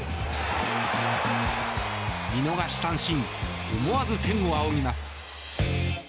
見逃し三振思わず天を仰ぎます。